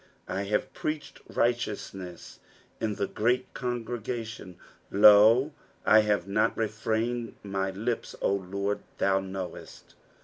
9 I have preached righteousness in the great congregation : lo, I have not refrained my lips, O Lord, thou knowest.